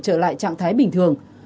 trở lại trạng thái bình thường